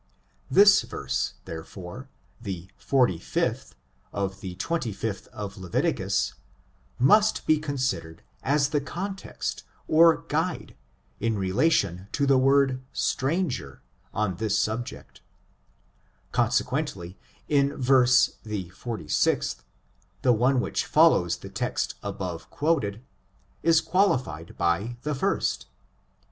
This verse, therefore, the 46th, of the 25th of Le viticus, must be considered as the context or guide, in relation to the word stranger on this subject ; con sequently, in verse the 46th, the one which follows the text above quoted, is qualified by the first.